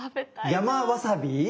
山わさび？